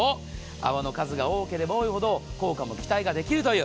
泡の数が多ければ多いほど効果も期待できるという。